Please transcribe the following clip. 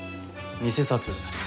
偽札。